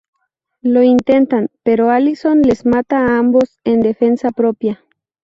Lo intentan, pero Allison les mata a ambos en defensa propia.